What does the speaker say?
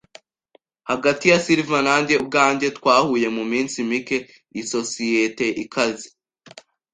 Hagati ya Silver nanjye ubwanjye twahuye muminsi mike isosiyete ikaze